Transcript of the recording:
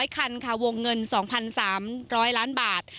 คันค่ะวงเงิน๒๓๐๐ล้านบาท